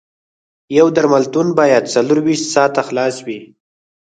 یو درملتون باید څلور ویشت ساعته خلاص وي